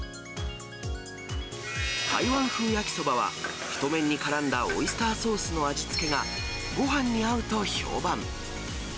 台湾風焼きそばは、太麺にからんだオイスターソースの味付けがごはんに合うと評判。